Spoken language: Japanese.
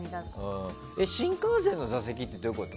新幹線の座席ってどういうこと？